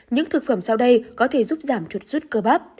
những thực phẩm sau đây có thể giúp giảm chùa sút cơ bắp